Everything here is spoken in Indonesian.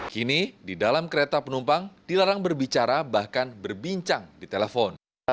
kini di dalam kereta penumpang dilarang berbicara bahkan berbincang di telepon